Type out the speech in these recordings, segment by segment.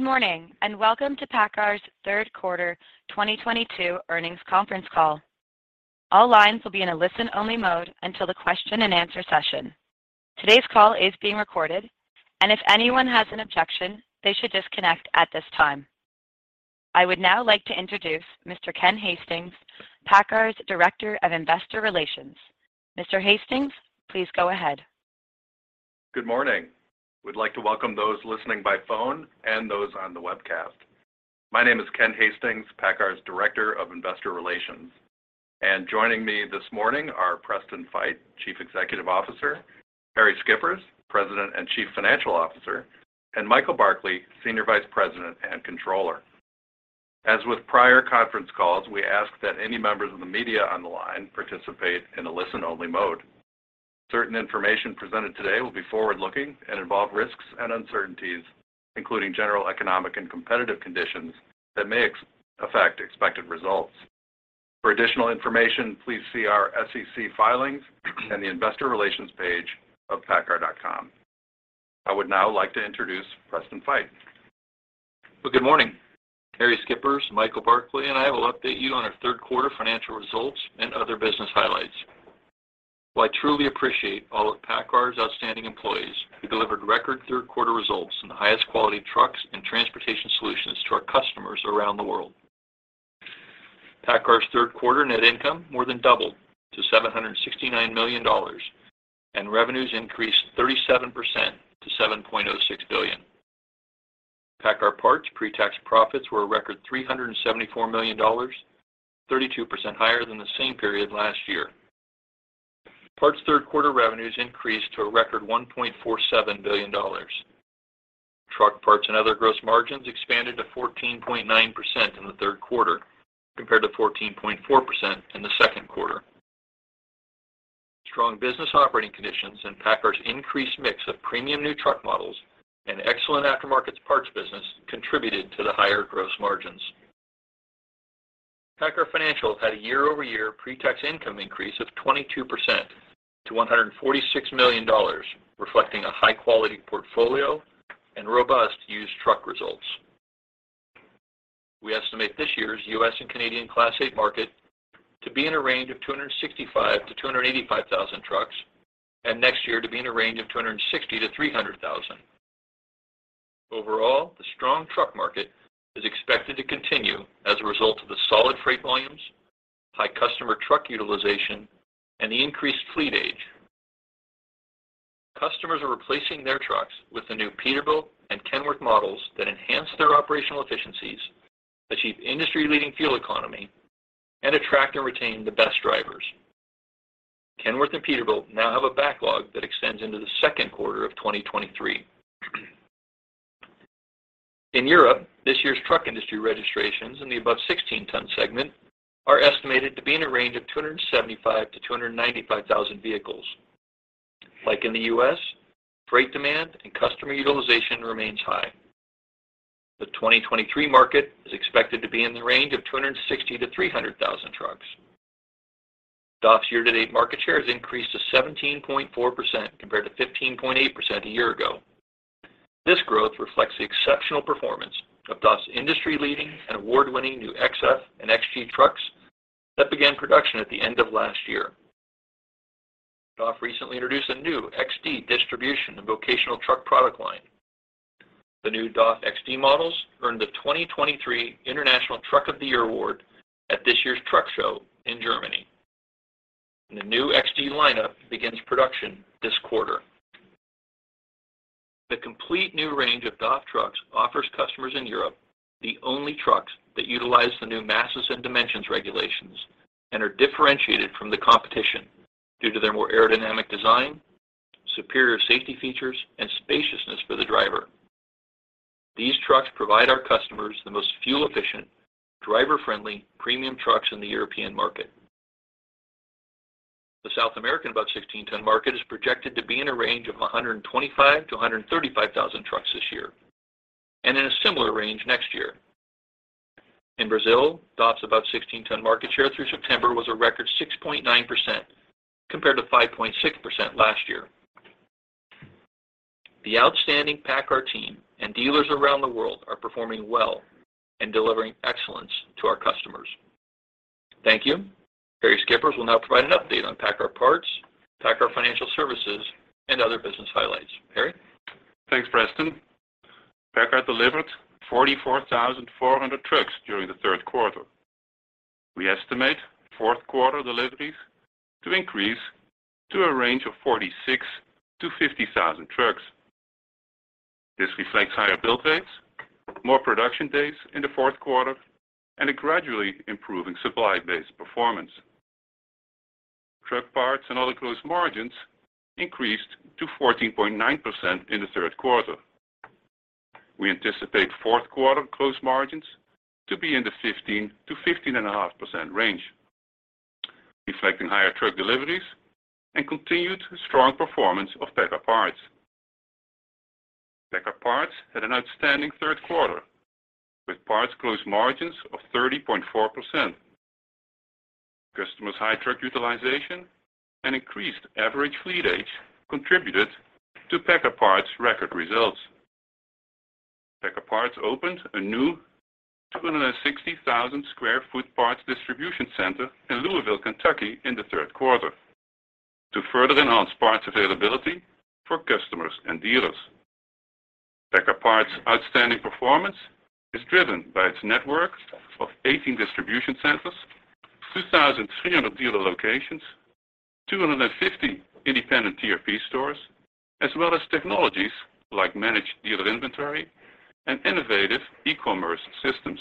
Good morning, and welcome to PACCAR's third quarter 2022 earnings conference call. All lines will be in a listen-only mode until the question and answer session. Today's call is being recorded, and if anyone has an objection, they should disconnect at this time. I would now like to introduce Mr. Ken Hastings, PACCAR's Director of Investor Relations. Mr. Hastings, please go ahead. Good morning. We'd like to welcome those listening by phone and those on the webcast. My name is Ken Hastings, PACCAR's Director of Investor Relations. Joining me this morning are Preston Feight, Chief Executive Officer, Harrie Schippers, President and Chief Financial Officer, and Michael Barkley, Senior Vice President and Controller. As with prior conference calls, we ask that any members of the media on the line participate in a listen-only mode. Certain information presented today will be forward-looking and involve risks and uncertainties, including general economic and competitive conditions that may affect expected results. For additional information, please see our SEC filings and the investor relations page of paccar.com. I would now like to introduce Preston Feight. Well, good morning. Harrie Schippers, Michael Barkley, and I will update you on our third quarter financial results and other business highlights. Well, I truly appreciate all of PACCAR's outstanding employees who delivered record third quarter results and the highest quality trucks and transportation solutions to our customers around the world. PACCAR's third quarter net income more than doubled to $769 million, and revenues increased 37% to $7.06 billion. PACCAR Parts pre-tax profits were a record $374 million, 32% higher than the same period last year. Parts third quarter revenues increased to a record $1.47 billion. Truck parts and other gross margins expanded to 14.9% in the third quarter compared to 14.4% in the second quarter. Strong business operating conditions and PACCAR's increased mix of premium new truck models and excellent aftermarket parts business contributed to the higher gross margins. PACCAR Financial had a year-over-year pre-tax income increase of 22% to $146 million, reflecting a high-quality portfolio and robust used truck results. We estimate this year's US and Canadian Class 8 market to be in a range of 265,000-285,000 trucks and next year to be in a range of 260,000-300,000. Overall, the strong truck market is expected to continue as a result of the solid freight volumes, high customer truck utilization, and the increased fleet age. Customers are replacing their trucks with the new Peterbilt and Kenworth models that enhance their operational efficiencies, achieve industry-leading fuel economy, and attract and retain the best drivers. Kenworth and Peterbilt now have a backlog that extends into the second quarter of 2023. In Europe, this year's truck industry registrations in the above-16-ton segment are estimated to be in a range of 275-295 thousand vehicles. Like in the US, freight demand and customer utilization remains high. The 2023 market is expected to be in the range of 260-300 thousand trucks. DAF's year-to-date market share has increased to 17.4% compared to 15.8% a year ago. This growth reflects the exceptional performance of DAF's industry-leading and award-winning new XF and XG trucks that began production at the end of last year. DAF recently introduced a new XD distribution and vocational truck product line. The new DAF XD models earned the 2023 International Truck of the Year award at this year's truck show in Germany. The new XD lineup begins production this quarter. The complete new range of DAF trucks offers customers in Europe the only trucks that utilize the new Masses and Dimensions regulations and are differentiated from the competition due to their more aerodynamic design, superior safety features, and spaciousness for the driver. These trucks provide our customers the most fuel-efficient, driver-friendly, premium trucks in the European market. The South American above-16-ton market is projected to be in a range of 125,000-135,000 trucks this year and in a similar range next year. In Brazil, DAF's above-16-ton market share through September was a record 6.9% compared to 5.6% last year. The outstanding PACCAR team and dealers around the world are performing well and delivering excellence to our customers. Thank you. Harrie Schippers will now provide an update on PACCAR Parts, PACCAR Financial Services, and other business highlights. Harrie. Thanks, Preston. PACCAR delivered 44,400 trucks during the third quarter. We estimate fourth quarter deliveries to increase to a range of 46,000-50,000 trucks. This reflects higher build rates, more production days in the fourth quarter, and a gradually improving supply base performance. Truck parts and other gross margins increased to 14.9% in the third quarter. We anticipate fourth quarter gross margins to be in the 15%-15.5% range, reflecting higher truck deliveries and continued strong performance of PACCAR Parts. PACCAR Parts had an outstanding third quarter with parts gross margins of 30.4%. Customer's high truck utilization and increased average fleet age contributed to PACCAR Parts record results. PACCAR Parts opened a new 260,000 sq ft parts distribution center in Louisville, Kentucky in the third quarter to further enhance parts availability for customers and dealers. PACCAR Parts outstanding performance is driven by its network of 18 distribution centers, 2,300 dealer locations, 250 independent TRP stores, as well as technologies like managed dealer inventory and innovative e-commerce systems.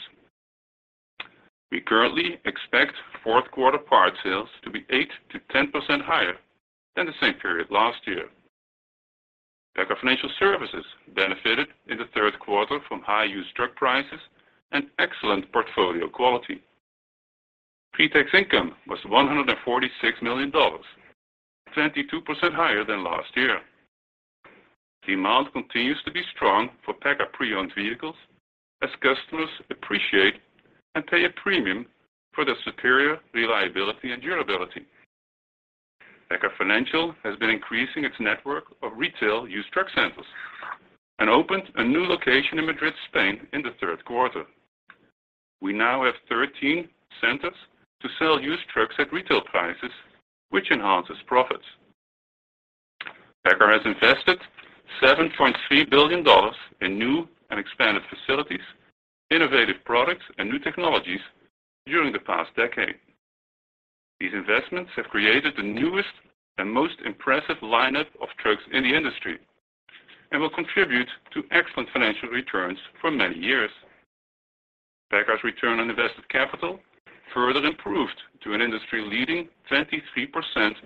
We currently expect fourth quarter part sales to be 8%-10% higher than the same period last year. PACCAR Financial Services benefited in the third quarter from high used truck prices and excellent portfolio quality. Pre-tax income was $146 million, 22% higher than last year. Demand continues to be strong for PACCAR pre-owned vehicles as customers appreciate and pay a premium for their superior reliability and durability. PACCAR Financial has been increasing its network of retail used truck centers and opened a new location in Madrid, Spain in the third quarter. We now have 13 centers to sell used trucks at retail prices, which enhances profits. PACCAR has invested $7.3 billion in new and expanded facilities, innovative products, and new technologies during the past decade. These investments have created the newest and most impressive lineup of trucks in the industry and will contribute to excellent financial returns for many years. PACCAR's return on invested capital further improved to an industry-leading 23%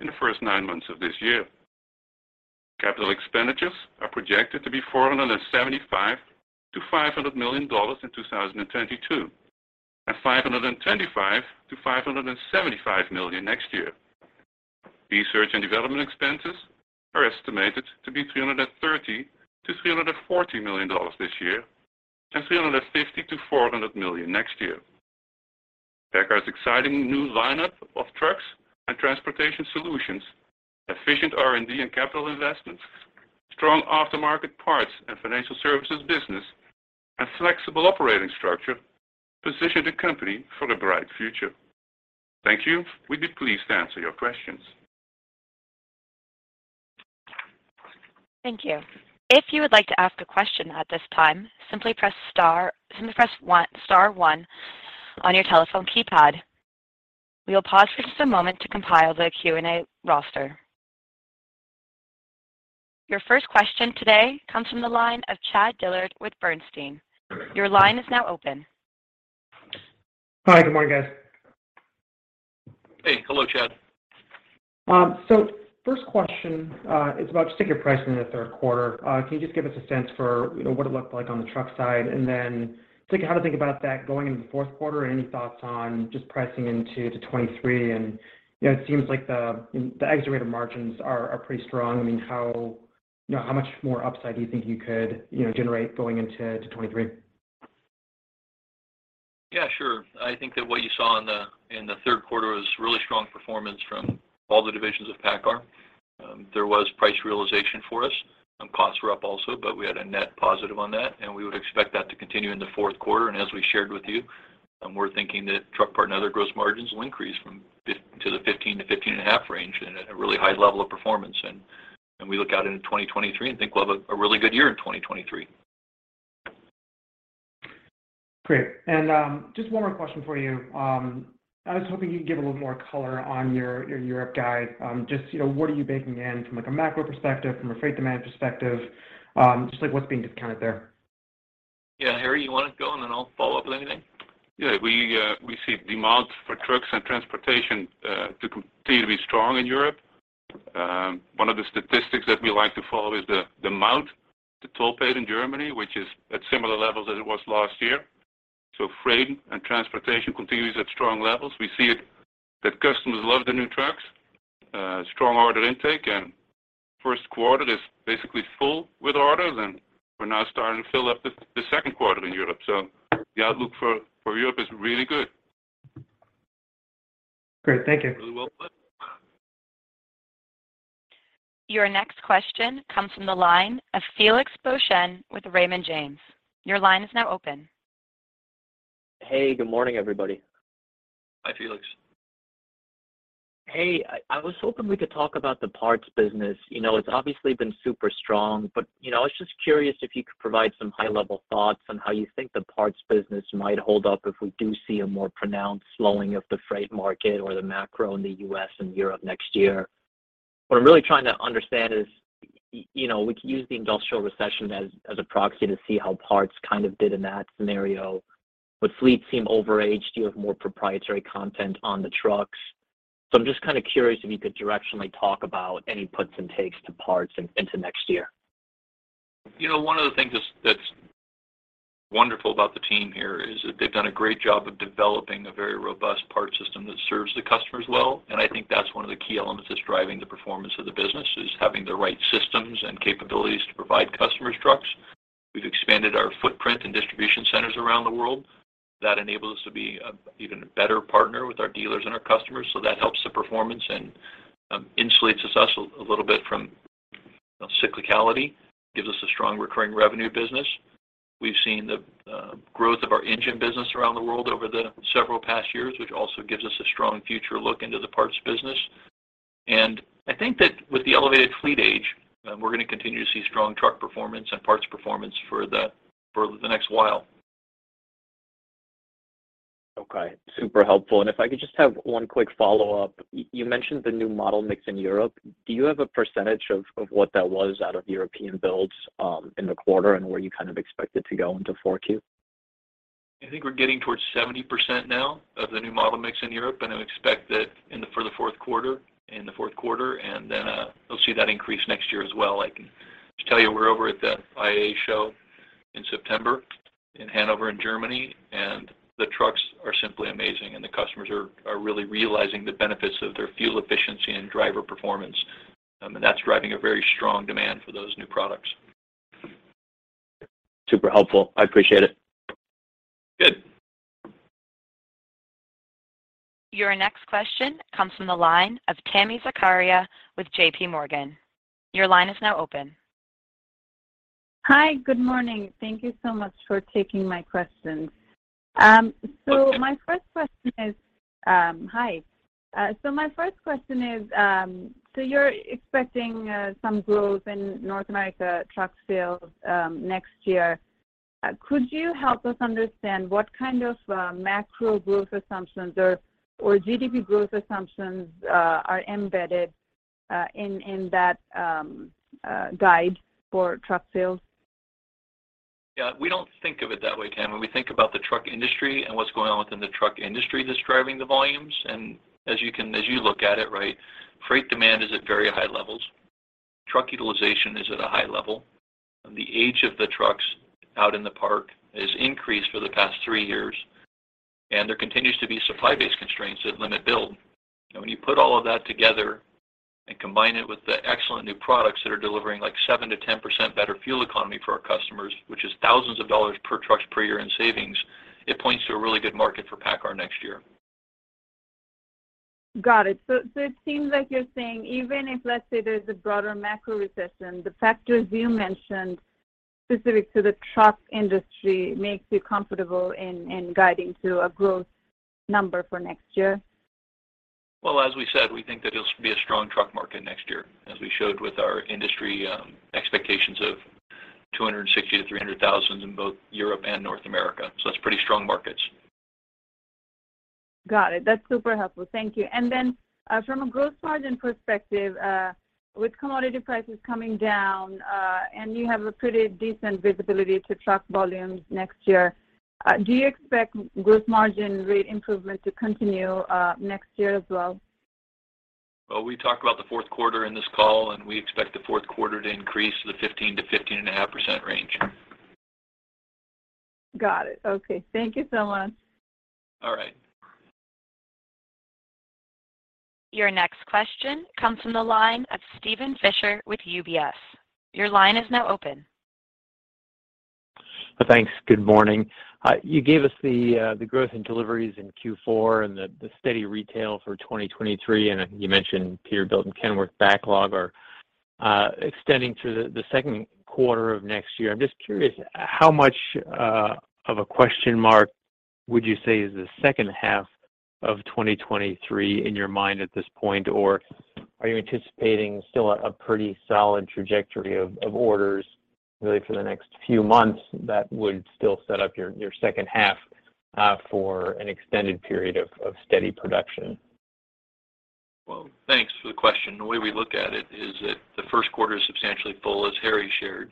in the first nine months of this year. Capital expenditures are projected to be $475 million-$500 million in 2022, and $525 million-$575 million next year. Research and development expenses are estimated to be $330 million-$340 million this year, and $350 million-$400 million next year. PACCAR's exciting new lineup of trucks and transportation solutions, efficient R&D and capital investments, strong aftermarket parts and financial services business, and flexible operating structure position the company for the bright future. Thank you. We'd be pleased to answer your questions. Thank you. If you would like to ask a question at this time, simply press star one on your telephone keypad. We will pause for just a moment to compile the Q&A roster. Your first question today comes from the line of Chad Dillard with Bernstein. Your line is now open. Hi, good morning, guys. Hey, hello, Chad. First question is about sticker pricing in the third quarter. Can you just give us a sense for, you know, what it looked like on the truck side? Then how to think about that going into the fourth quarter. Any thoughts on just pricing into 2023? You know, it seems like the after-tax margins are pretty strong. I mean, how much more upside do you think you could generate going into 2023? Yeah, sure. I think that what you saw in the third quarter was really strong performance from all the divisions of PACCAR. There was price realization for us, and costs were up also, but we had a net positive on that, and we would expect that to continue in the fourth quarter. As we shared with you, we're thinking that truck parts and other gross margins will increase to the 15%-15.5% range in a really high level of performance. We look out into 2023 and think we'll have a really good year in 2023. Great. Just one more question for you. I was hoping you could give a little more color on your Europe guide. Just, you know, what are you baking in from, like, a macro perspective, from a freight demand perspective? Just like what's being discounted there. Yeah. Harrie, you want to go in and I'll follow up with anything? Yeah. We see demand for trucks and transportation to continue to be strong in Europe. One of the statistics that we like to follow is the amount of toll paid in Germany, which is at similar levels as it was last year. Freight and transportation continues at strong levels. We see that customers love the new trucks, strong order intake, and first quarter is basically full with orders, and we're now starting to fill up the second quarter in Europe. The outlook for Europe is really good. Great. Thank you. You're welcome. Your next question comes from the line of Felix Boschen with Raymond James. Your line is now open. Hey, good morning, everybody. Hi, Hey, I was hoping we could talk about the parts business. You know, it's obviously been super strong, but, you know, I was just curious if you could provide some high-level thoughts on how you think the parts business might hold up if we do see a more pronounced slowing of the freight market or the macro in the US and Europe next year. What I'm really trying to understand is, you know, we could use the industrial recession as a proxy to see how parts kind of did in that scenario, but fleets seem overaged. Do you have more proprietary content on the trucks? I'm just kind of curious if you could directionally talk about any puts and takes to parts into next year. You know, one of the things that's wonderful about the team here is that they've done a great job of developing a very robust parts system that serves the customers well. I think that's one of the key elements that's driving the performance of the business, is having the right systems and capabilities to provide customers trucks. We've expanded our footprint and distribution centers around the world. That enables us to be an even better partner with our dealers and our customers, so that helps the performance and insulates us a little bit from cyclicality, gives us a strong recurring revenue business. We've seen the growth of our engine business around the world over the past several years, which also gives us a strong future outlook into the parts business. I think that with the elevated fleet age, we're gonna continue to see strong truck performance and parts performance for the next while. Okay, super helpful. If I could just have one quick follow-up. You mentioned the new model mix in Europe. Do you have a percentage of what that was out of European builds in the quarter and where you kind of expect it to go into Q4? I think we're getting towards 70% now of the new model mix in Europe, and I expect that in the fourth quarter, and then we'll see that increase next year as well. I can just tell you, we're over at the IAA show in September in Hanover in Germany, and the trucks are simply amazing, and the customers are really realizing the benefits of their fuel efficiency and driver performance. That's driving a very strong demand for those new products. Super helpful. I appreciate it. Good. Your next question comes from the line of Tami Zakaria with J.P. Morgan. Your line is now open. Hi. Good morning. Thank you so much for taking my questions. My first question is, you're expecting some growth in North America truck sales next year. Could you help us understand what kind of macro growth assumptions or GDP growth assumptions are embedded in that guide for truck sales? Yeah. We don't think of it that way, Tami. We think about the truck industry and what's going on within the truck industry that's driving the volumes. As you look at it, right, freight demand is at very high levels. Truck utilization is at a high level. The age of the trucks out in the park has increased for the past three years, and there continues to be supply-based constraints that limit build. When you put all of that together and combine it with the excellent new products that are delivering like 7%-10% better fuel economy for our customers, which is thousands of dollars per trucks per year in savings, it points to a really good market for PACCAR next year. Got it. It seems like you're saying even if, let's say, there's a broader macro recession, the factors you mentioned specific to the truck industry makes you comfortable in guiding to a growth number for next year. Well, as we said, we think that it'll be a strong truck market next year, as we showed with our industry expectations of 260-300 thousand in both Europe and North America. That's pretty strong markets. Got it. That's super helpful. Thank you. Then, from a gross margin perspective, with commodity prices coming down, and you have a pretty decent visibility to truck volumes next year, do you expect gross margin rate improvement to continue next year as well? Well, we talked about the fourth quarter in this call, and we expect the fourth quarter to increase to the 15%-15.5% range. Got it. Okay. Thank you so much. All right. Your next question comes from the line of Steven Fisher with UBS. Your line is now open. Thanks. Good morning. You gave us the growth in deliveries in Q4 and the steady retail for 2023, and you mentioned your build and Kenworth backlog are extending to the second quarter of next year. I'm just curious, how much of a question mark would you say is the second half of 2023 in your mind at this point, or are you anticipating still a pretty solid trajectory of orders really for the next few months that would still set up your second half for an extended period of steady production? Well, thanks for the question. The way we look at it is that the first quarter is substantially full, as Harrie shared.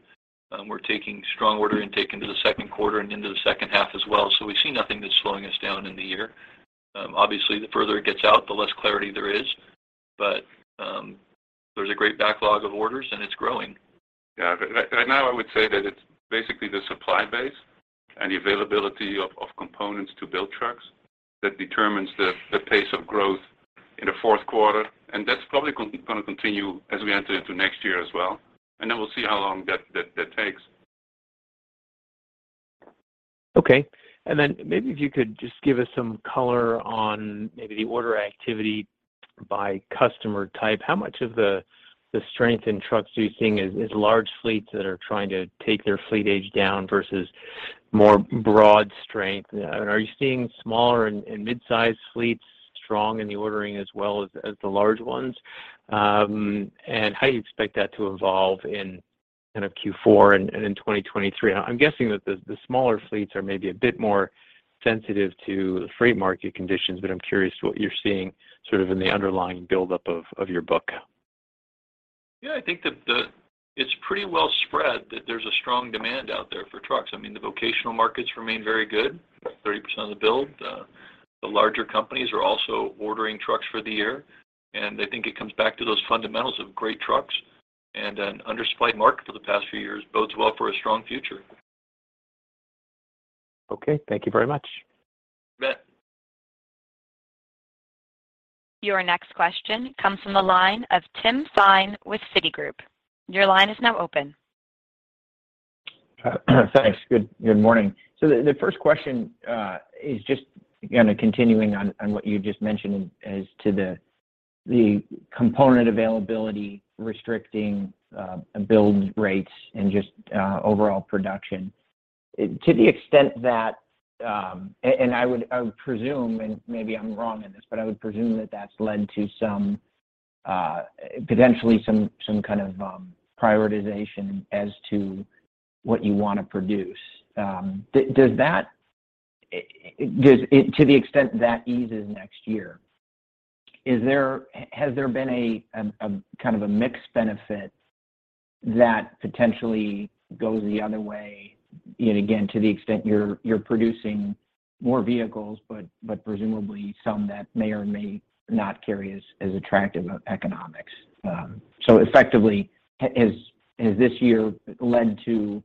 We're taking strong order intake into the second quarter and into the second half as well. We see nothing that's slowing us down in the year. Obviously, the further it gets out, the less clarity there is. There's a great backlog of orders, and it's growing. Yeah. Right now, I would say that it's basically the supply base and the availability of components to build trucks that determines the pace of growth in the fourth quarter. That's probably gonna continue as we enter into next year as well. We'll see how long that takes. Okay. Then maybe if you could just give us some color on maybe the order activity by customer type. How much of the strength in trucks do you think is large fleets that are trying to take their fleet age down versus more broad strength? Are you seeing smaller and mid-size fleets strong in the ordering as well as the large ones? How do you expect that to evolve in kind of Q4 and in 2023? I'm guessing that the smaller fleets are maybe a bit more sensitive to the freight market conditions, but I'm curious what you're seeing sort of in the underlying buildup of your book. Yeah. I think that it's pretty well spread that there's a strong demand out there for trucks. I mean, the vocational markets remain very good, 30% of the build. The larger companies are also ordering trucks for the year, and I think it comes back to those fundamentals of great trucks and an undersupplied market for the past few years bodes well for a strong future. Okay. Thank you very much. You bet. Your next question comes from the line of Tim Thein from Citigroup. Your line is now open. Thanks. Good morning. The first question is just kinda continuing on what you just mentioned as to the component availability restricting build rates and just overall production. To the extent that, and I would presume, and maybe I'm wrong in this, but I would presume that that's led to some potentially some kind of prioritization as to what you wanna produce. Does it to the extent that eases next year, is there has there been a kind of a mixed benefit that potentially goes the other way, you know, again, to the extent you're producing more vehicles, but presumably some that may or may not carry as attractive of economics? Effectively, has this year led to,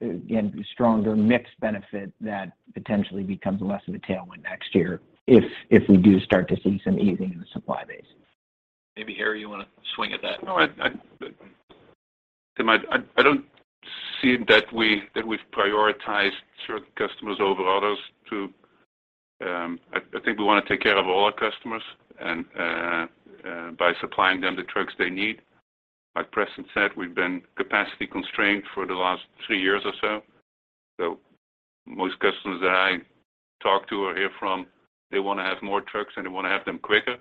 again, stronger mixed benefit that potentially becomes less of a tailwind next year if we do start to see some easing in the supply base? Maybe, Harrie, you want to swing at that? No, Tim, I don't see that we've prioritized certain customers over others. I think we want to take care of all our customers and by supplying them the trucks they need. Like Preston said, we've been capacity constrained for the last three years or so. Most customers that I talk to or hear from, they want to have more trucks, and they want to have them quicker.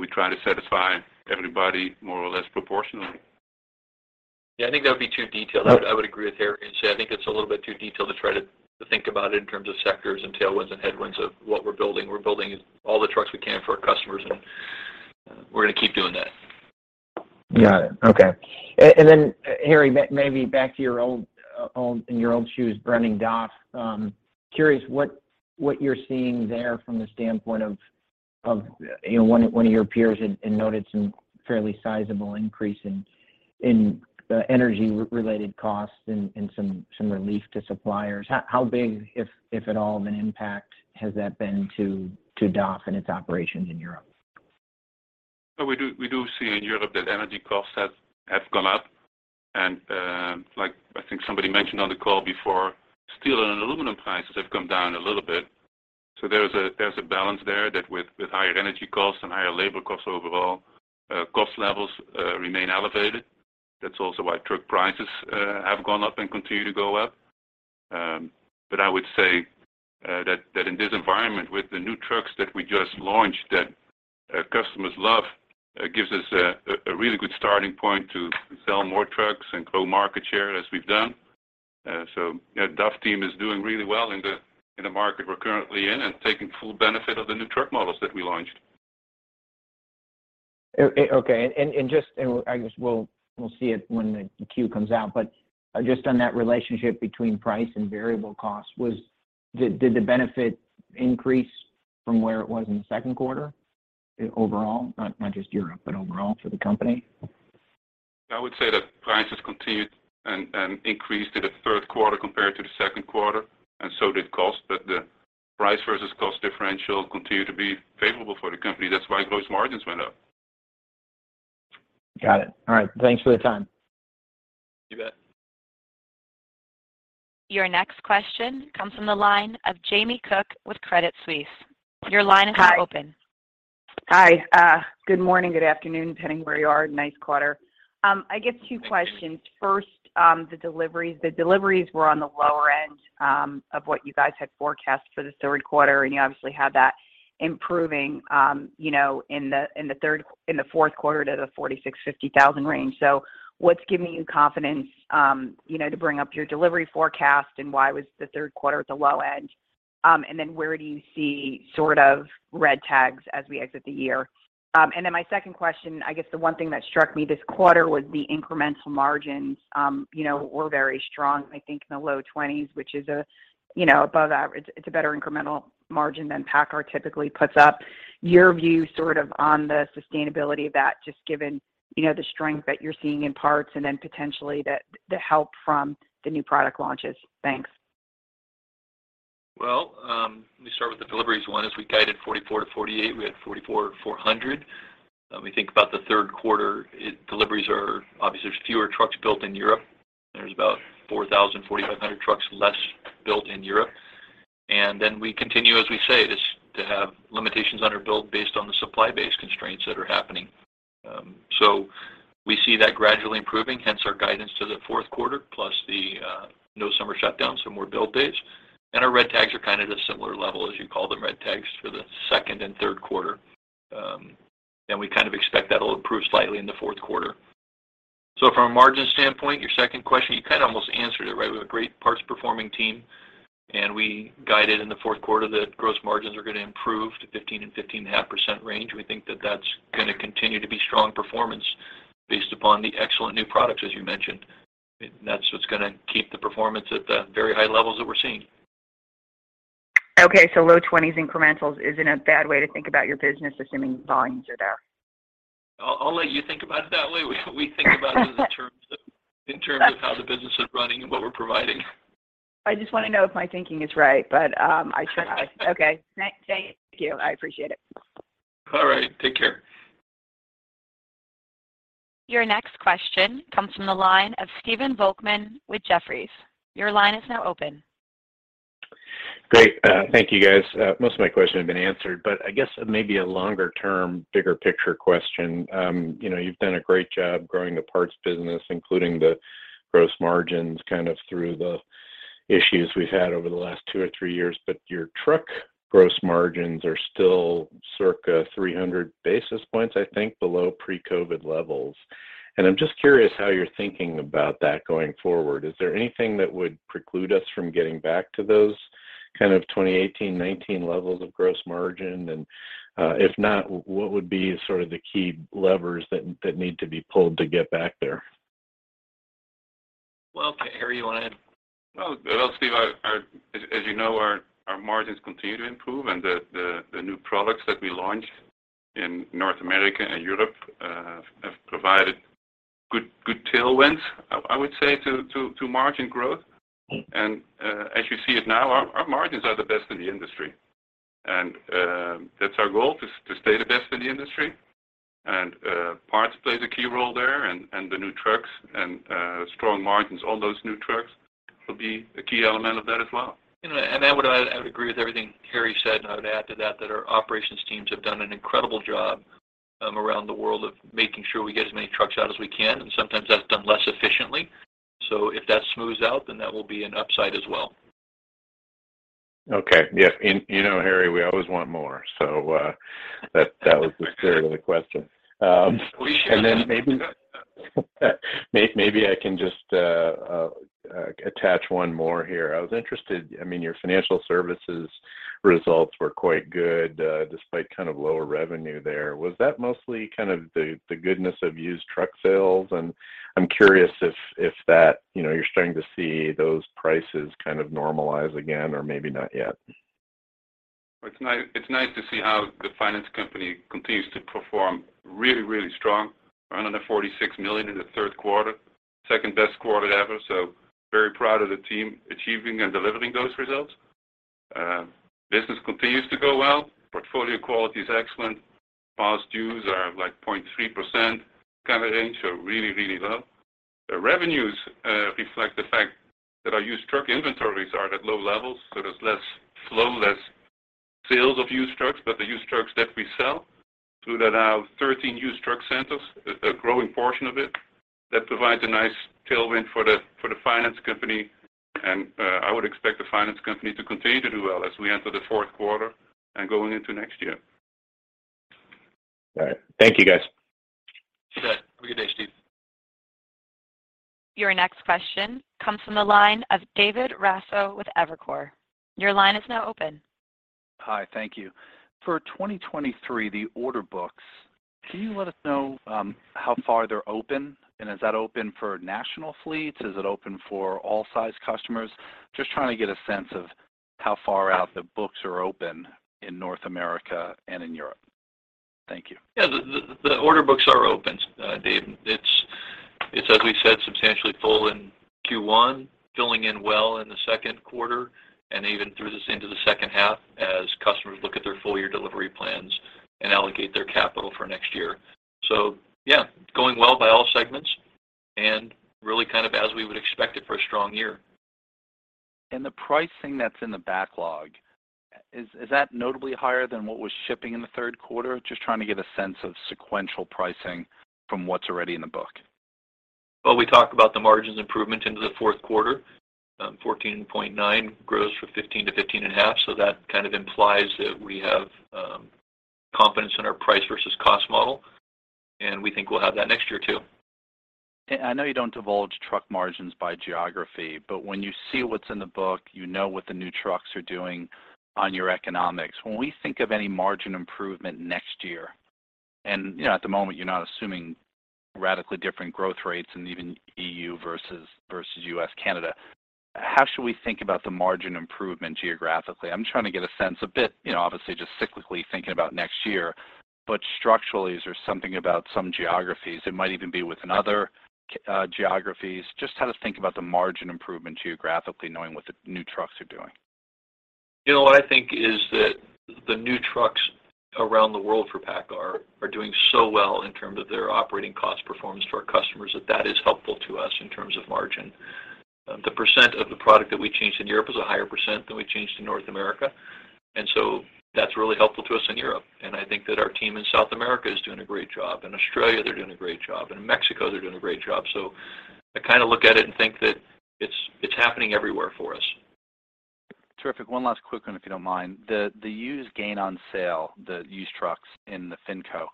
We try to satisfy everybody more or less proportionally. Yeah, I think that would be too detailed. I would agree with Harrie and say I think it's a little bit too detailed to try to think about it in terms of sectors and tailwinds and headwinds of what we're building. We're building all the trucks we can for our customers, and we're going to keep doing that. Got it. Okay. Harrie, maybe back to your old shoes running DAF. Curious what you're seeing there from the standpoint of, you know, one of your peers had noted some fairly sizable increase in energy-related costs and some relief to suppliers. How big, if at all, of an impact has that been to DAF and its operations in Europe? We do see in Europe that energy costs have gone up. Like, I think somebody mentioned on the call before, steel and aluminum prices have come down a little bit. There's a balance there with higher energy costs and higher labor costs overall, cost levels remain elevated. That's also why truck prices have gone up and continue to go up. But I would say that in this environment, with the new trucks that we just launched that customers love, gives us a really good starting point to sell more trucks and grow market share as we've done. DAF team is doing really well in the market we're currently in and taking full benefit of the new truck models that we launched. Okay. I guess we'll see it when the Q comes out, but just on that relationship between price and variable costs, did the benefit increase from where it was in the second quarter overall? Not just Europe, but overall for the company. I would say that prices continued and increased in the third quarter compared to the second quarter, and so did costs. The price versus cost differential continued to be favorable for the company. That's why gross margins went up. Got it. All right. Thanks for the time. You bet. Your next question comes from the line of Jamie Cook with Credit Suisse. Your line is now open. Hi. Good morning, good afternoon, depending where you are. Nice quarter. I guess two questions. First, the deliveries. The deliveries were on the lower end of what you guys had forecast for this third quarter, and you obviously had that improving, you know, in the fourth quarter to the 46,000-50,000 range. What's giving you confidence, you know, to bring up your delivery forecast, and why was the third quarter at the low edge? And then where do you see sort of red tags as we exit the year? And then my second question, I guess the one thing that struck me this quarter was the incremental margins, you know, were very strong, I think in the low 20s%, which is, you know, above average. It's a better incremental margin than PACCAR typically puts up. Your view sort of on the sustainability of that, just given, you know, the strength that you're seeing in parts and then potentially the help from the new product launches. Thanks. Well, let me start with the deliveries one, as we guided 44-48. We had 4,400. When we think about the third quarter, deliveries are obviously fewer trucks built in Europe. There's about 4,000-4,500 trucks less built in Europe. We continue, as we say, just to have limitations on our build based on the supply-based constraints that are happening. We see that gradually improving, hence our guidance to the fourth quarter, plus the no summer shutdowns, so more build days. Our red tags are kind of at a similar level as you call them, red tags for the second and third quarter. We kind of expect that'll improve slightly in the fourth quarter. From a margin standpoint, your second question, you kind of almost answered it, right? We have a great parts-performing team, and we guided in the fourth quarter that gross margins are going to improve to 15%-15.5% range. We think that that's going to continue to be strong performance based upon the excellent new products, as you mentioned. That's what's going to keep the performance at the very high levels that we're seeing. Okay. Low-20s% incrementals isn't a bad way to think about your business, assuming volumes are there? I'll let you think about it that way. We think about it in terms of how the business is running and what we're providing. I just want to know if my thinking is right, but I trust. Okay. Thank you. I appreciate it. All right, take care. Your next question comes from the line of Stephen Volkmann with Jefferies. Your line is now open. Great. Thank you, guys. Most of my question has been answered, but I guess maybe a longer-term, bigger picture question. You know, you've done a great job growing the parts business, including the gross margins kind of through the issues we've had over the last two or three years. Your truck gross margins are still circa 300 basis points, I think, below pre-COVID levels. I'm just curious how you're thinking about that going forward. Is there anything that would preclude us from getting back to those kind of 2018, 2019 levels of gross margin? If not, what would be sort of the key levers that need to be pulled to get back there? Well, Harrie, you want to add? Well, Steve, as you know, our margins continue to improve and the new products that we launched in North America and Europe have provided good tailwinds, I would say to margin growth. As you see it now, our margins are the best in the industry. That's our goal, to stay the best in the industry. Parts play the key role there and the new trucks and strong margins, all those new trucks will be a key element of that as well. You know, I would agree with everything Harrie said, and I would add to that our operations teams have done an incredible job around the world of making sure we get as many trucks out as we can, and sometimes that's done less efficiently. If that smooths out, then that will be an upside as well. Okay. Yeah. You know, Harrie, we always want more. That was the spirit of the question. Maybe I can just attach one more here. I was interested. I mean, your financial services results were quite good, despite kind of lower revenue there. Was that mostly kind of the goodness of used truck sales? I'm curious if that, you know, you're starting to see those prices kind of normalize again or maybe not yet. It's nice to see how the finance company continues to perform really, really strong. Another $46 million in the third quarter, second-best quarter ever. Very proud of the team achieving and delivering those results. Business continues to go well. Portfolio quality is excellent. Past dues are like 0.3% kind of range, so really, really low. The revenues reflect the fact that our used truck inventories are at low levels, so there's less flow, less sales of used trucks. The used trucks that we sell through that 13 used truck centers, a growing portion of it. That provides a nice tailwind for the finance company. I would expect the finance company to continue to do well as we enter the fourth quarter and going into next year. All right. Thank you, guys. You bet. Have a good day, Steve. Your next question comes from the line of David Raso with Evercore. Your line is now open. Hi, thank you. For 2023, the order books, can you let us know how far they're open? Is that open for national fleets? Is it open for all size customers? Just trying to get a sense of how far out the books are open in North America and in Europe. Thank you. Yeah. The order books are open, David. It's as we said, substantially full in Q1, filling in well in the second quarter, and even through this into the second half as customers look at their full year delivery plans and allocate their capital for next year. Yeah, going well by all segments and really kind of as we would expect it for a strong year. The pricing that's in the backlog, is that notably higher than what was shipping in the third quarter? Just trying to get a sense of sequential pricing from what's already in the book. We talked about the margins improvement into the fourth quarter, 14.9% gross from 15% to 15.5%. That kind of implies that we have confidence in our price versus cost model, and we think we'll have that next year too. I know you don't divulge truck margins by geography, but when you see what's in the book, you know what the new trucks are doing on your economics. When we think of any margin improvement next year, you know, at the moment you're not assuming radically different growth rates in even E.U. versus U.S., Canada, how should we think about the margin improvement geographically? I'm trying to get a sense a bit, you know, obviously just cyclically thinking about next year. Structurally, is there something about some geographies that might even be within other geographies? Just how to think about the margin improvement geographically, knowing what the new trucks are doing. You know, what I think is that the new trucks around the world for PACCAR are doing so well in terms of their operating cost performance to our customers, that that is helpful to us in terms of margin. The percent of the product that we changed in Europe is a higher percent than we changed in North America. That's really helpful to us in Europe. I think that our team in South America is doing a great job. In Australia, they're doing a great job. In Mexico, they're doing a great job. I kind of look at it and think that it's happening everywhere for us. Terrific. One last quick one, if you don't mind. The used gain on sale, the used trucks in the Finco,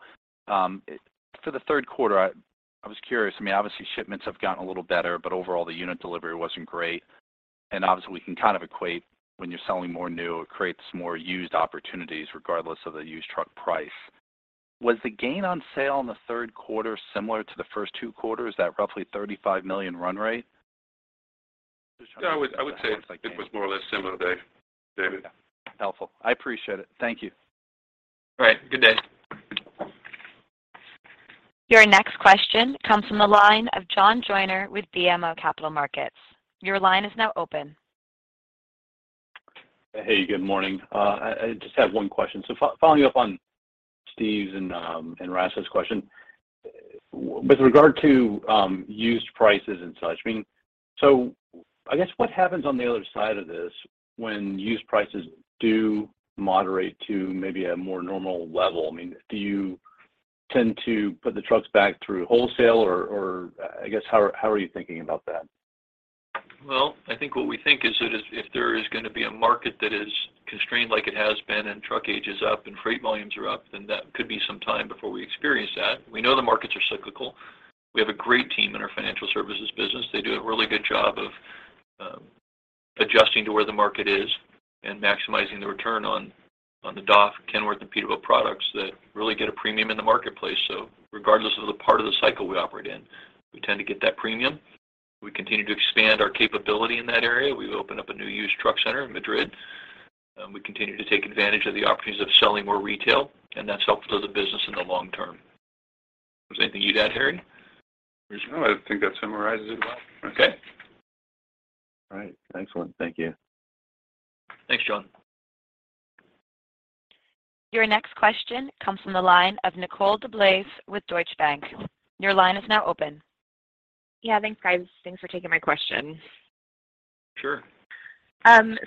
for the third quarter, I was curious. I mean, obviously shipments have gotten a little better, but overall, the unit delivery wasn't great. Obviously, we can kind of equate when you're selling more new, it creates more used opportunities regardless of the used truck price. Was the gain on sale in the third quarter similar to the first two quarters at roughly $35 million run rate? I would say it was more or less similar to David. Helpful. I appreciate it. Thank you. All right. Good day. Your next question comes from the line of John Joyner with BMO Capital Markets. Your line is now open. Hey, good morning. I just have one question. Following up on Steve's and Raso's question, with regard to used prices and such, I mean, I guess what happens on the other side of this when used prices do moderate to maybe a more normal level? I mean, do you tend to put the trucks back through wholesale or, I guess, how are you thinking about that? Well, I think what we think is that if there is going to be a market that is constrained like it has been and truck age is up and freight volumes are up, then that could be some time before we experience that. We know the markets are cyclical. We have a great team in our financial services business. They do a really good job of adjusting to where the market is and maximizing the return on the DAF, Kenworth, and PACCAR products that really get a premium in the marketplace. Regardless of the part of the cycle we operate in, we tend to get that premium. We continue to expand our capability in that area. We opened up a new used truck center in Madrid, and we continue to take advantage of the opportunities of selling more retail, and that's helpful to the business in the long term. Is there anything you'd add, Harrie? No, I think that summarizes it well. Okay. All right. Excellent. Thank you. Thanks, John. Your next question comes from the line of Nicole DeBlase with Deutsche Bank. Your line is now open. Yeah, thanks, guys. Thanks for taking my question. Sure.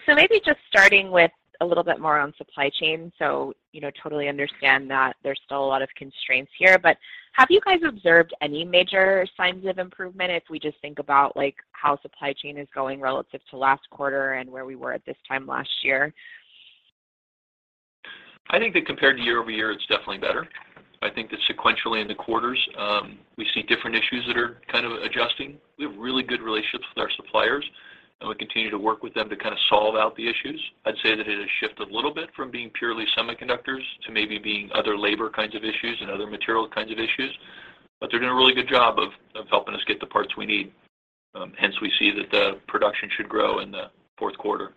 Maybe just starting with a little bit more on supply chain. You know, totally understand that there's still a lot of constraints here, but have you guys observed any major signs of improvement if we just think about, like, how supply chain is going relative to last quarter and where we were at this time last year? I think that compared to year-over-year, it's definitely better. I think that sequentially in the quarters, we see different issues that are kind of adjusting. We have really good relationships with our suppliers, and we continue to work with them to kind of solve out the issues. I'd say that it has shifted a little bit from being purely semiconductors to maybe being other labor kinds of issues and other material kinds of issues. They're doing a really good job of helping us get the parts we need. Hence we see that the production should grow in the fourth quarter.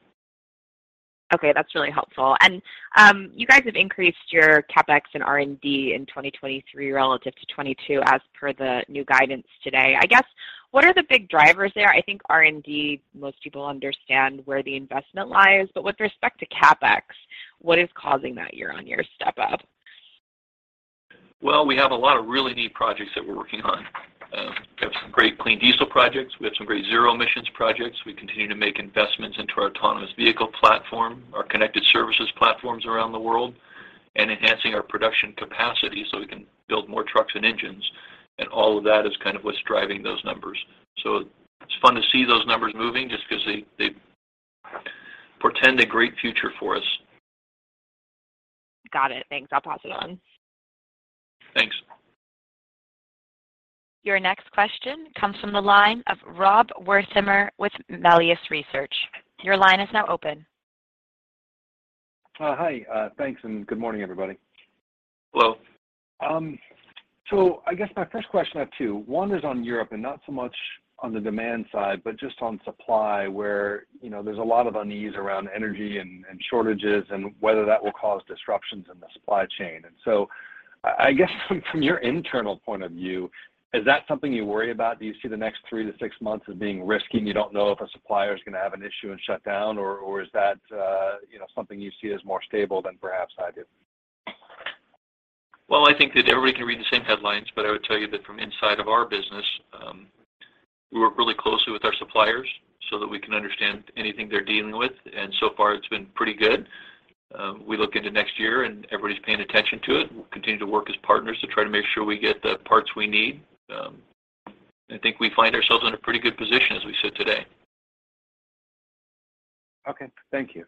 Okay, that's really helpful. You guys have increased your CapEx and R&D in 2023 relative to 2022 as per the new guidance today. I guess, what are the big drivers there? I think R&D, most people understand where the investment lies. With respect to CapEx, what is causing that year-on-year step up? Well, we have a lot of really neat projects that we're working on. We have some great clean diesel projects. We have some great zero emissions projects. We continue to make investments into our autonomous vehicle platform, our connected services platforms around the world, and enhancing our production capacity so we can build more trucks and engines. All of that is kind of what's driving those numbers. It's fun to see those numbers moving just because they portend a great future for us. Got it. Thanks. I'll pass it on. Thanks. Your next question comes from the line of Rob Wertheimer with Melius Research. Your line is now open. Hi. Thanks, and good morning, everybody. Hello. I guess my first question, I have two. One is on Europe and not so much on the demand side, but just on supply, where, you know, there's a lot of unease around energy and shortages and whether that will cause disruptions in the supply chain. From your internal point of view, is that something you worry about? Do you see the next 3-6 months as being risky, and you don't know if a supplier is going to have an issue and shut down, or is that, you know, something you see as more stable than perhaps I do? Well, I think that everybody can read the same headlines, but I would tell you that from inside of our business, we work really closely with our suppliers so that we can understand anything they're dealing with. So far, it's been pretty good. We look into next year, and everybody's paying attention to it. We'll continue to work as partners to try to make sure we get the parts we need. I think we find ourselves in a pretty good position as we sit today. Okay. Thank you.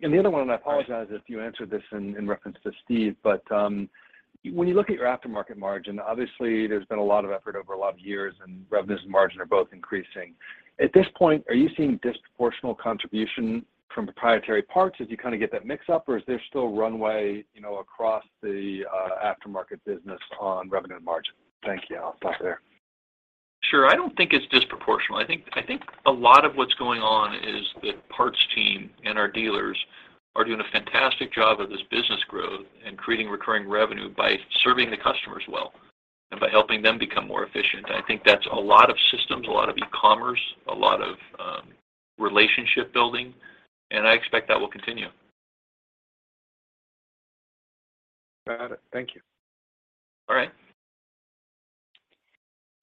The other one, I apologize if you answered this in reference to Steve, but when you look at your aftermarket margin, obviously there's been a lot of effort over a lot of years, and revenues and margin are both increasing. At this point, are you seeing disproportional contribution from proprietary parts as you kind of get that mix up, or is there still runway, you know, across the aftermarket business on revenue and margin? Thank you. I'll stop there. Sure. I don't think it's disproportional. I think a lot of what's going on is the parts team and our dealers are doing a fantastic job of this business growth and creating recurring revenue by serving the customers well and by helping them become more efficient. I think that's a lot of systems, a lot of e-commerce, a lot of relationship building, and I expect that will continue. Got it. Thank you. All right.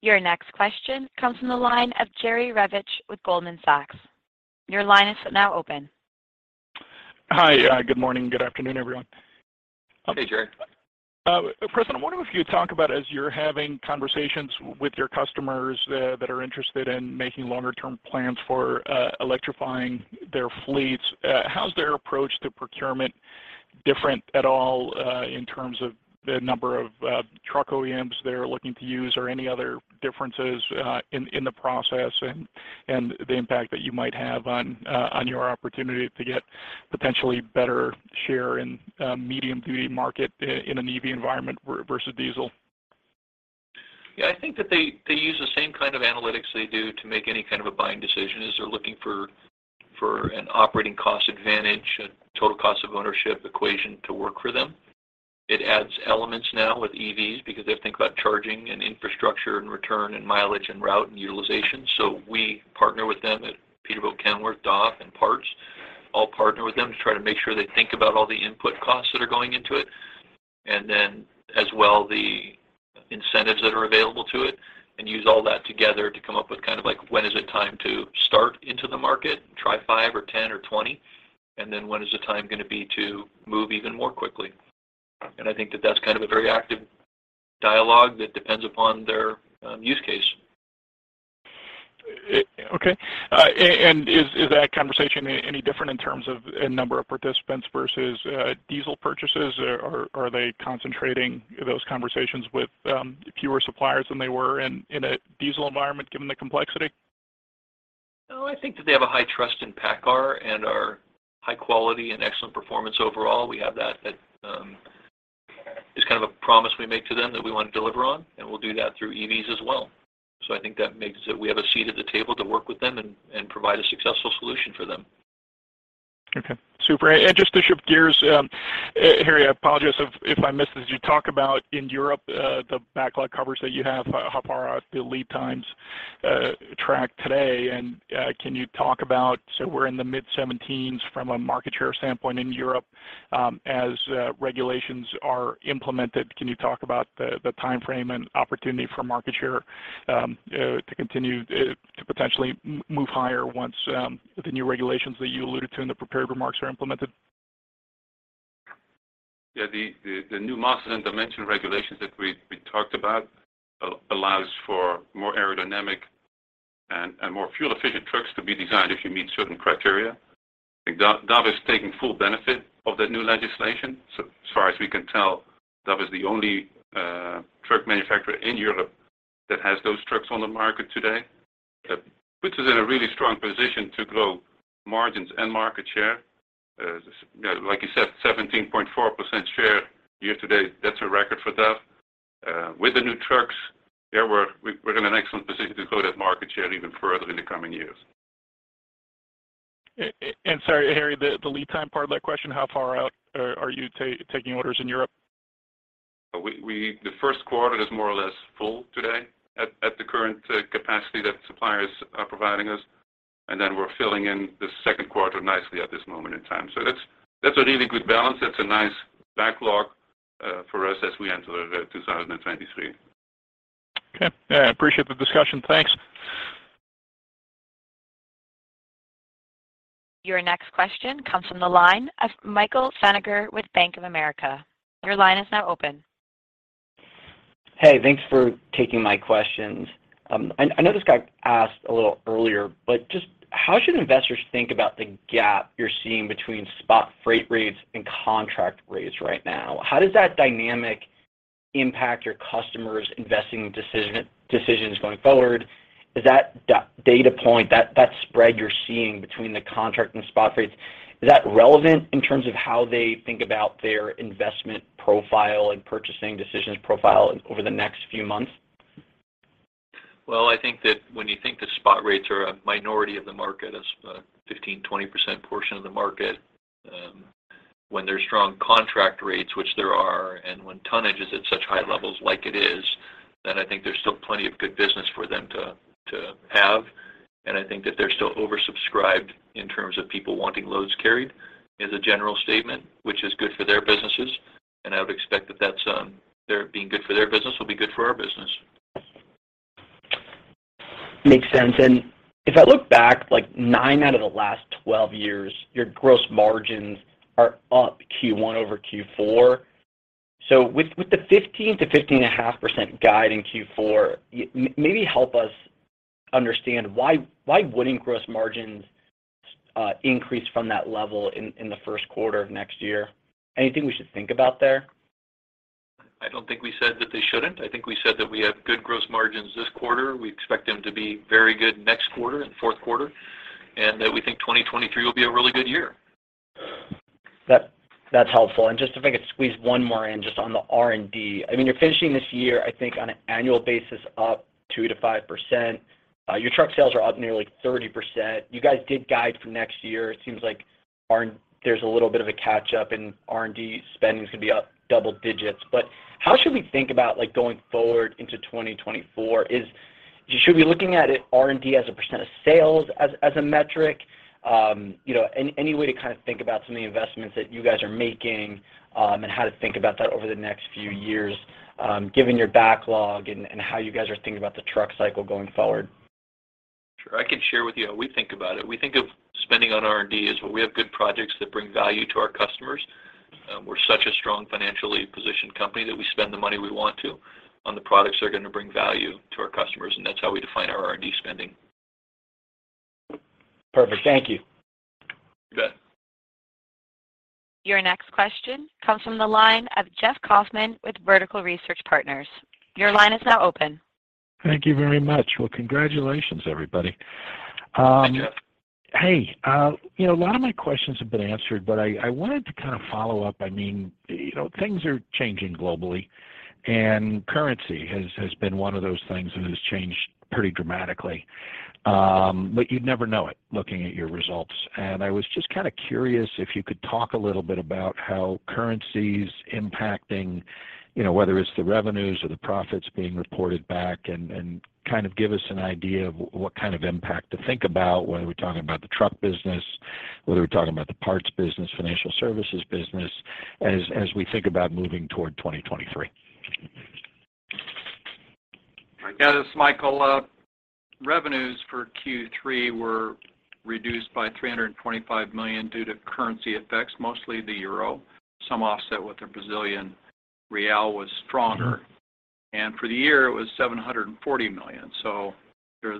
Your next question comes from the line of Jerry Revich with Goldman Sachs. Your line is now open. Hi. Good morning, good afternoon, everyone. Hey, Jerry. Chris, I wonder if you talk about as you're having conversations with your customers that are interested in making longer term plans for electrifying their fleets, how's their approach to procurement different at all, in terms of the number of truck OEMs they're looking to use or any other differences, in the process and the impact that you might have on your opportunity to get potentially better share in medium duty market in an EV environment versus diesel? Yeah, I think that they use the same kind of analytics they do to make any kind of a buying decision as they're looking for an operating cost advantage, a total cost of ownership equation to work for them. It adds elements now with EVs because they have to think about charging and infrastructure and return and mileage and route and utilization. We partner with them at Peterbilt, Kenworth, DAF, and Parts all partner with them to try to make sure they think about all the input costs that are going into it, and then as well, the incentives that are available to it, and use all that together to come up with kind of like when is it time to start into the market and try 5 or 10 or 20, and then when is the time gonna be to move even more quickly. I think that that's kind of a very active dialogue that depends upon their use case. Is that conversation any different in terms of number of participants versus diesel purchases? Or are they concentrating those conversations with fewer suppliers than they were in a diesel environment given the complexity? No, I think that they have a high trust in PACCAR and our high quality and excellent performance overall. We have that as just kind of a promise we make to them that we want to deliver on, and we'll do that through EVs as well. I think that makes it we have a seat at the table to work with them and provide a successful solution for them. Okay. Super. Just to shift gears, Harrie, I apologize if I missed this. You talk about in Europe the backlog coverage that you have, how far out the lead times track today. Can you talk about, so we're in the mid-17s% from a market share standpoint in Europe, as regulations are implemented, can you talk about the timeframe and opportunity for market share to continue to potentially move higher once the new regulations that you alluded to in the prepared remarks are implemented? Yeah. The new mass and dimension regulations that we talked about allows for more aerodynamic and more fuel-efficient trucks to be designed if you meet certain criteria. I think DAF is taking full benefit of that new legislation. As far as we can tell, DAF is the only truck manufacturer in Europe that has those trucks on the market today. That puts us in a really strong position to grow margins and market share. You know, like you said, 17.4% share year to date, that's a record for DAF. With the new trucks, yeah, we're in an excellent position to grow that market share even further in the coming years. Sorry, Harrie, the lead time part of that question, how far out are you taking orders in Europe? The first quarter is more or less full today at the current capacity that suppliers are providing us. We're filling in the second quarter nicely at this moment in time. That's a really good balance. That's a nice backlog for us as we enter 2023. Okay. Yeah, I appreciate the discussion. Thanks. Your next question comes from the line of Michael Feniger with Bank of America. Your line is now open. Hey, thanks for taking my questions. I know this got asked a little earlier, but just how should investors think about the gap you're seeing between spot freight rates and contract rates right now? How does that dynamic impact your customers' investing decisions going forward? Is that data point, that spread you're seeing between the contract and spot rates, relevant in terms of how they think about their investment profile and purchasing decisions over the next few months? Well, I think that when you think that spot rates are a minority of the market, as 15%-20% portion of the market, when there's strong contract rates, which there are, and when tonnage is at such high levels like it is, then I think there's still plenty of good business for them to have. I think that they're still oversubscribed in terms of people wanting loads carried as a general statement, which is good for their businesses. I would expect that that's their being good for their business will be good for our business. Makes sense. If I look back, like, 9 out of the last 12 years, your gross margins are up Q1 over Q4. With the 15%-15.5% guide in Q4, maybe help us understand why wouldn't gross margins increase from that level in the first quarter of next year? Anything we should think about there? I don't think we said that they shouldn't. I think we said that we have good gross margins this quarter. We expect them to be very good next quarter, in the fourth quarter, and that we think 2023 will be a really good year. That, that's helpful. Just if I could squeeze one more in just on the R&D. I mean, you're finishing this year, I think, on an annual basis up 2%-5%. Your truck sales are up nearly 30%. You guys did guide for next year. It seems like there's a little bit of a catch-up in R&D spending. It's going to be up double digits. But how should we think about, like, going forward into 2024? Should we be looking at it R&D as a percent of sales as a metric? You know, any way to kind of think about some of the investments that you guys are making, and how to think about that over the next few years, given your backlog and how you guys are thinking about the truck cycle going forward? Sure. I can share with you how we think about it. We think of spending on R&D as when we have good projects that bring value to our customers. We're such a strong financially positioned company that we spend the money we want to on the products that are going to bring value to our customers, and that's how we define our R&D spending. Perfect. Thank you. You bet. Your next question comes from the line of Jeffrey Kauffman with Vertical Research Partners. Your line is now open. Thank you very much. Well, congratulations, everybody. Hey, you know, a lot of my questions have been answered, but I wanted to kind of follow up. I mean, you know, things are changing globally, and currency has been one of those things that has changed pretty dramatically. You'd never know it looking at your results. I was just kind of curious if you could talk a little bit about how currency's impacting, you know, whether it's the revenues or the profits being reported back, and kind of give us an idea of what kind of impact to think about, whether we're talking about the truck business, whether we're talking about the parts business, financial services business, as we think about moving toward 2023. Yeah, this is Michael. Revenues for Q3 were reduced by $325 million due to currency effects, mostly the euro. Some offset with the Brazilian real was stronger. For the year, it was $740 million.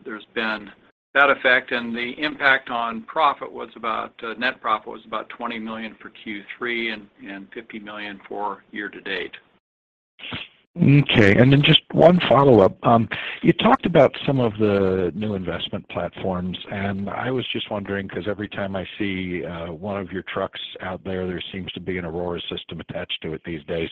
There's been that effect. The impact on profit was about net profit was about $20 million for Q3 and $50 million for year to date. Okay. Then just one follow-up. You talked about some of the new investment platforms, and I was just wondering because every time I see one of your trucks out there seems to be an Aurora system attached to it these days,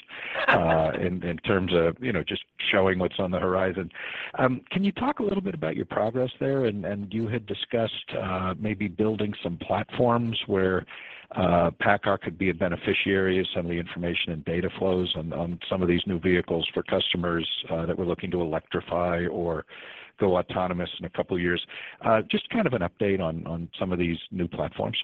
in terms of, you know, just showing what's on the horizon. Can you talk a little bit about your progress there? You had discussed maybe building some platforms where PACCAR could be a beneficiary of some of the information and data flows on some of these new vehicles for customers that were looking to electrify or go autonomous in a couple years. Just kind of an update on some of these new platforms.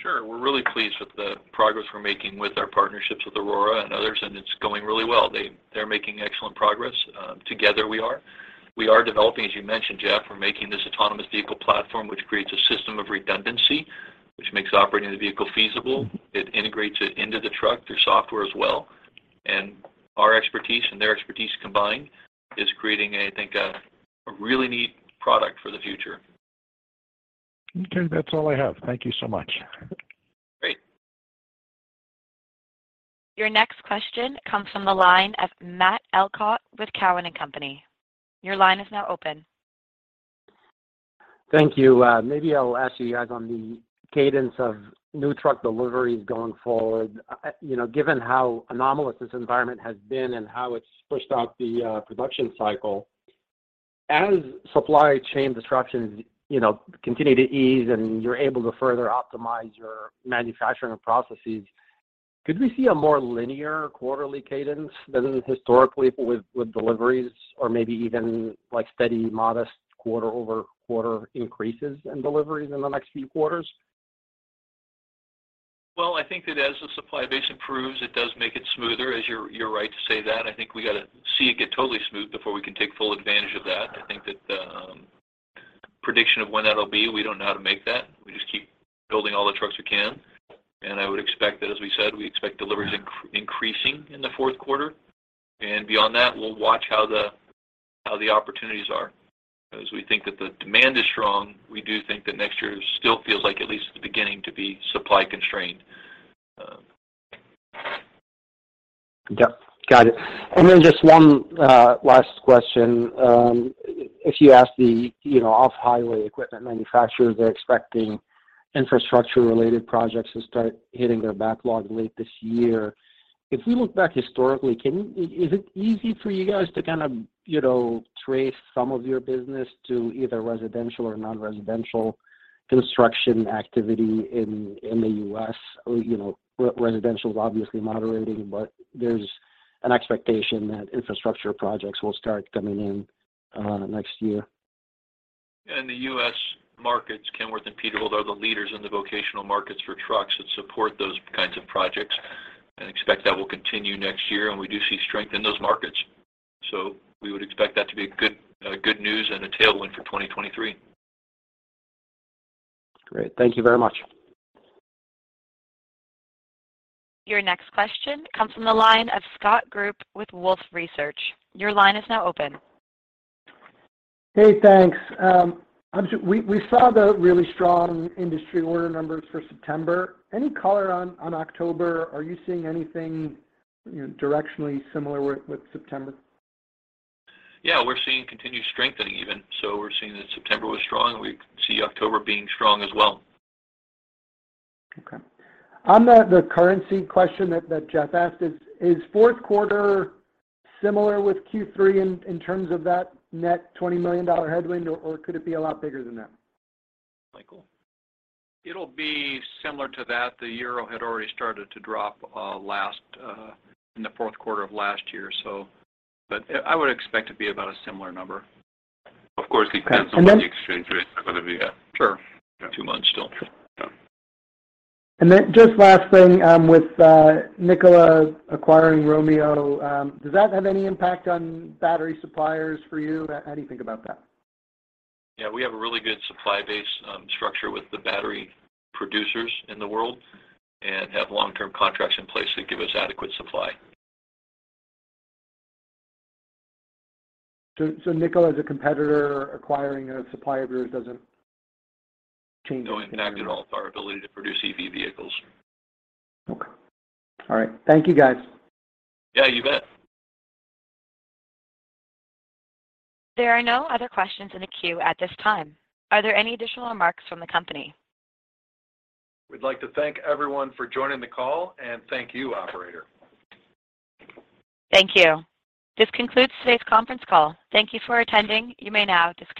Sure. We're really pleased with the progress we're making with our partnerships with Aurora and others, and it's going really well. They're making excellent progress. Together we are developing, as you mentioned, Jeff, we're making this autonomous vehicle platform, which creates a system of redundancy, which makes operating the vehicle feasible. It integrates it into the truck through software as well. Our expertise and their expertise combined is creating, I think, a really neat product for the future. Okay. That's all I have. Thank you so much. Great. Your next question comes from the line of Matt Elkott with Cowen & Company. Your line is now open. Thank you. Maybe I'll ask you guys on the cadence of new truck deliveries going forward. You know, given how anomalous this environment has been and how it's pushed out the production cycle, as supply chain disruptions, you know, continue to ease and you're able to further optimize your manufacturing processes, could we see a more linear quarterly cadence than historically with deliveries or maybe even like steady modest quarter-over-quarter increases in deliveries in the next few quarters? Well, I think that as the supply base improves, it does make it smoother, as you're right to say that. I think we got to see it get totally smooth before we can take full advantage of that. I think that the prediction of when that'll be, we don't know how to make that. We just keep building all the trucks we can. I would expect that, as we said, we expect deliveries increasing in the fourth quarter. Beyond that, we'll watch how the opportunities are. As we think that the demand is strong, we do think that next year still feels like at least the beginning to be supply-constrained. Yep. Got it. Just one last question. If you ask the you know off-highway equipment manufacturers, they're expecting infrastructure-related projects to start hitting their backlog late this year. If we look back historically, is it easy for you guys to kind of you know trace some of your business to either residential or non-residential construction activity in the US? You know residential is obviously moderating, but there's an expectation that infrastructure projects will start coming in next year. In the U.S. markets, Kenworth and Peterbilt are the leaders in the vocational markets for trucks that support those kinds of projects. Expect that will continue next year, and we do see strength in those markets. We would expect that to be good news and a tailwind for 2023. Great. Thank you very much. Your next question comes from the line of Scott Group with Wolfe Research. Your line is now open. Hey, thanks. We saw the really strong industry order numbers for September. Any color on October? Are you seeing anything, you know, directionally similar with September? Yeah, we're seeing continued strengthening even. We're seeing that September was strong. We see October being strong as well. Okay. On the currency question that Jeff asked, is fourth quarter similar with Q3 in terms of that net $20 million headwind or could it be a lot bigger than that? Michael. It'll be similar to that. The euro had already started to drop late in the fourth quarter of last year, so, but I would expect it to be about a similar number. Of course, it depends on what the exchange rates are going to be. Sure. Two months still. Yeah. Just last thing, with Nikola acquiring Romeo, does that have any impact on battery suppliers for you? How do you think about that? Yeah. We have a really good supply base, structure with the battery producers in the world and have long-term contracts in place that give us adequate supply. Nikola is a competitor. Acquiring a supplier of yours doesn't change. Doesn't impact at all our ability to produce EV vehicles. Okay. All right. Thank you, guys. Yeah, you bet. There are no other questions in the queue at this time. Are there any additional remarks from the company? We'd like to thank everyone for joining the call, and thank you, operator. Thank you. This concludes today's conference call. Thank you for attending. You may now disconnect.